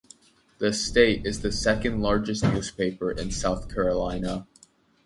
"The State" is the second largest newspaper in South Carolina.